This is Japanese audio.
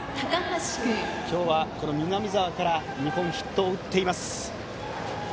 今日は南澤から２本のヒットを打っています。